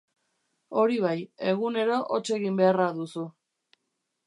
Hori bai, egunero hots egin beharra duzu.